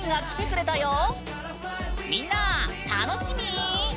みんな楽しみ？